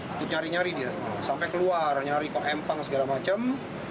ikut nyari nyari dia sampai keluar nyari kok empang segala macam